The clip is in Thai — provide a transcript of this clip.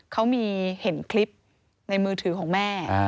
เขามีเห็นคลิปในมือถือของแม่